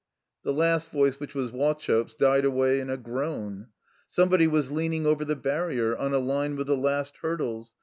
The last voice, which was Wauchope's, died away in a groan. Somebody was leaning over the barrier, on a line with the last hurdles.